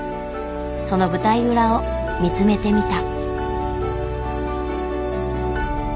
その舞台裏を見つめてみた。